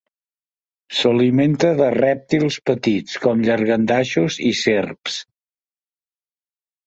S'alimenta de rèptils petits, com llangardaixos i serps.